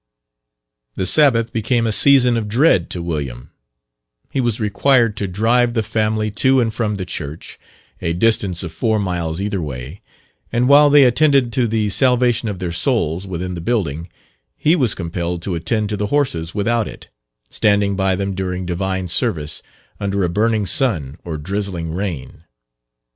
The Sabbath became a season of dread to William: he was required to drive the family to and from the church, a distance of four miles either way; and while they attended to the salvation of their souls within the building, he was compelled to attend to the horses without it, standing by them during divine service under a burning sun, or drizzling rain.